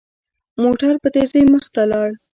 موټر په تېزۍ مخ ته لاړ.